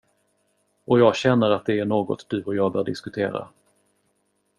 Och jag känner att det är något du och jag bör diskutera.